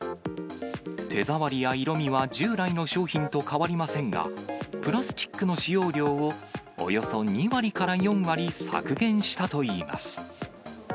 手触りや色味は従来の商品と変わりませんが、プラスチックの使用量をおよそ２割から４割削減したといいます。